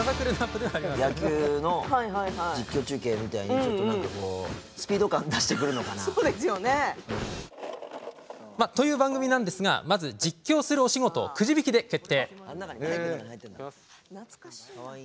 野球の実況中継みたいにちょっとなんかこうそうですよね。という番組なんですがまず、実況するお仕事をくじ引きで決定！